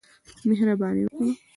مهرباني وکړه !